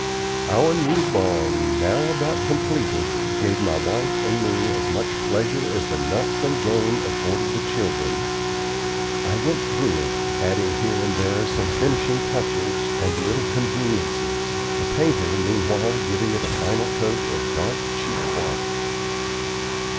Our new barn, now about completed, gave my wife and me as much pleasure as the nuts and game afforded the children. I went through it, adding here and there some finishing touches and little conveniences, a painter meanwhile giving it a final coat of dark, cheap wash.